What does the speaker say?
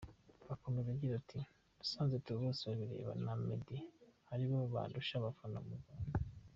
Akomeza agira ati “ Nasanze Theo Bosebabireba na Meddy ari bo bandusha abafana mu Rwanda.